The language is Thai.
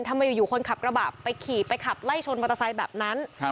ทำไมอยู่คนขับกระบะไปขี่ไปขับไล่ชนมอเตอร์ไซค์แบบนั้น